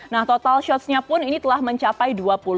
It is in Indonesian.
nah total shotsnya pun ini telah mencapai dua puluh